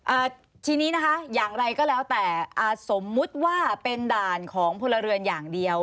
อ่าทีนี้นะคะอย่างไรก็แล้วแต่อ่าสมมุติว่าเป็นด่านของพลเรือนอย่างเดียว